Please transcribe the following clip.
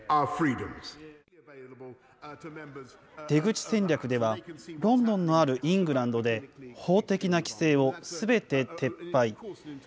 出口戦略ではロンドンのあるイングランドで、法的な規制をすべて撤廃。